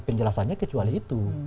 penjelasannya kecuali itu